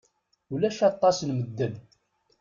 Ulac aṭas n medden.